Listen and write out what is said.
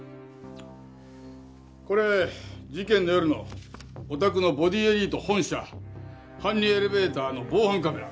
これ事件の夜のおたくのボディエリート本社搬入エレベーターの防犯カメラ。